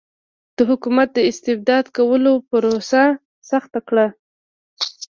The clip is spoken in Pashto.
د حکومت د استبدادي کولو پروسه سخته کړه.